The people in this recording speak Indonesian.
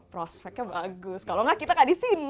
prospeknya bagus kalau nggak kita nggak di sini